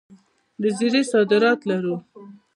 د زیرې صادرات لرو؟